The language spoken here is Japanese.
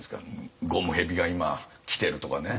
ゴムヘビが今きてるとかね。